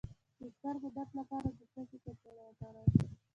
د سترګو درد لپاره د څه شي کڅوړه وکاروم؟